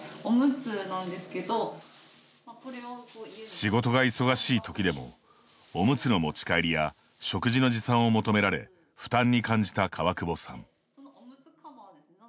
仕事が忙しいときでもおむつの持ち帰りや食事の持参を求められ負担に感じた川久保さん。